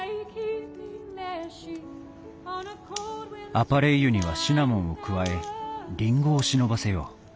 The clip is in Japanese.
アパレイユにはシナモンを加えりんごを忍ばせよう。